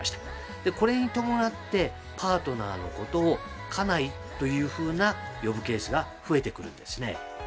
でこれに伴ってパートナーのことを「家内」というふうな呼ぶケースが増えてくるんですね。